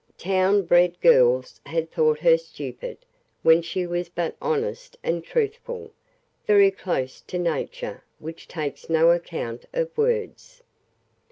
Town bred girls had thought her stupid, when she was but honest and truthful; very close to nature which takes no account of words.